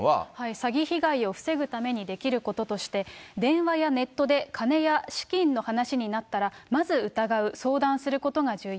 詐欺被害を防ぐためにできることとして、電話やネットで金や資金の話になったら、まず疑う、相談することが重要。